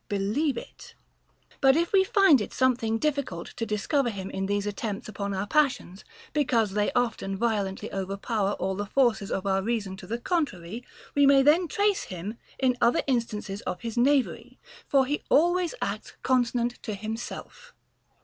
Believe it. But if we find it something difficult to discover him in these attempts upon our passions, because they often vio lently overpower all the forces of our reason to the con trary, we may then trace him in other instances of his knavery ; for he always acts consonant to himself.